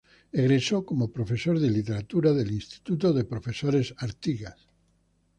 Egresó como profesor de literatura del Instituto de Profesores Artigas.